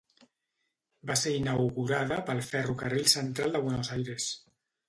Va ser inaugurada pel Ferrocarril Central de Buenos Aires.